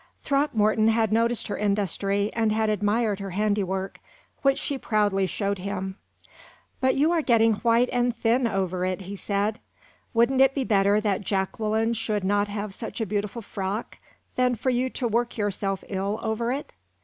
Throckmorton had noticed her industry, and had admired her handiwork, which she proudly showed him. "But you are getting white and thin over it," he said. "Wouldn't it be better that Jacqueline should not have such a beautiful frock, than for you to work yourself ill over it?